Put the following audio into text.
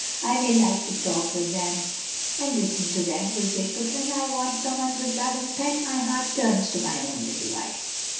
I may like to talk with them and listen to their music, but when I want some one to love and pet, my heart turns to my own little wife."